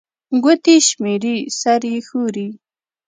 ګوتي شمېري، سر يې ښوري